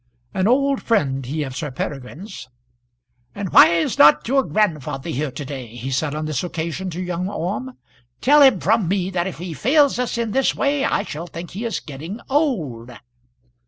An old friend he of Sir Peregrine's. "And why is not your grandfather here to day?" he said on this occasion to young Orme. "Tell him from me that if he fails us in this way, I shall think he is getting old."